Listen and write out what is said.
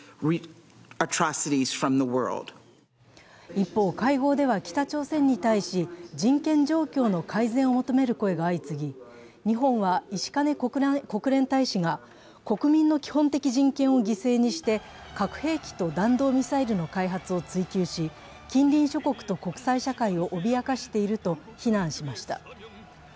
一方、会合では北朝鮮に対し、人権状況の改善を求める声が相次ぎ、日本は石兼国連大使が国民の基本的人権を犠牲にして核兵器と弾道ミサイルの開発を追求し、近隣諸国と国際社会を脅かしていると非難しました。